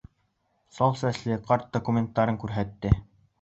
Сал сәсле ҡарт документтарын күрһәтте.